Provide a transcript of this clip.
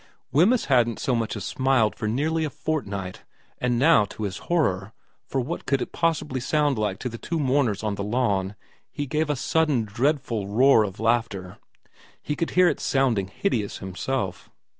Wemyss hadn't so much as smiled for nearly a fort night, and now to his horror, for what could it possibly sound like to the two mourners on the lawn, he gave a iv VERA 41 sudden dreadful roar of laughter. He could hear it sounding hideous himself.